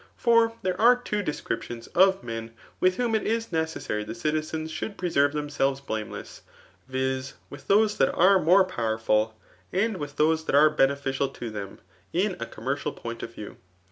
For there are. t Wo descriptioBfl of men with whom it is necessary the citiseiis should pre terve themselves blameless, viz* with those ^at are more powerful, and with those that are beneficial to them [In a commercial point of view].